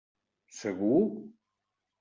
Segur?